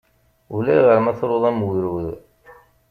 Ulayɣer ma truḍ am ugrud.